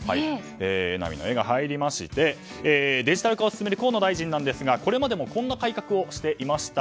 榎並の「エ」が入りましてデジタル化を進める河野大臣ですがこれまでもこんな改革をしていました。